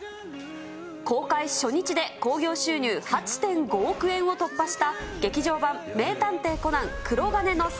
公開初日で興行収入８．５億円を突破した劇場版名探偵コナン